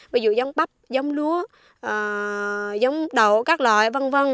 ví dụ giống bắp giống lúa giống đậu các loại v v